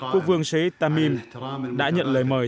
quốc vương sheikh tamim đã nhận lời mời